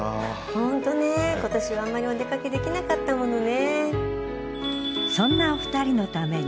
ホントね今年はあんまりお出かけできなかったものね。